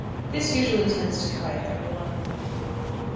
This usually tends to quiet their alarm.